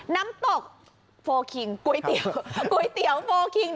น้ำตกโฟล์คิงก๋วยเตี๋ยวโฟล์คิง